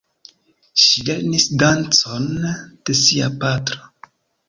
Ŝi lernis dancon de sia patro.